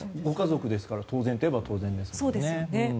ご家族ですから当然といえば当然ですね。